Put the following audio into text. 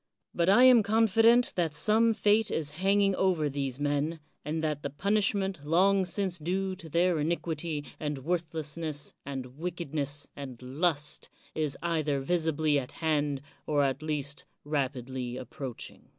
But I am confident that some fate is hanging over these men, and that the punishment long since due to their iniquity, and worthlessness, and wickedness, and lust, is either visibly at hand or at least rapidly approaching.